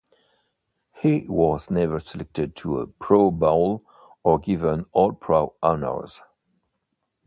He was never selected to a Pro-Bowl or given All-Pro honours.